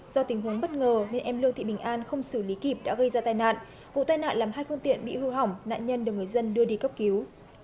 do tình huống bất ngờ nên em lương thị bình an không xử lý kịp đã gây ra tai nạn vụ tai nạn làm hai phương tiện bị hư hỏng nạn nhân được người dân đưa đi cấp cứu